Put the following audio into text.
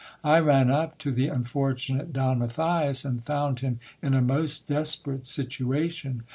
I ran up to the unfortunate Don Matthias, and found him in a most desperate situation.